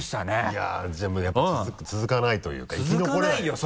いややっぱ続かないというか生き残れないよね。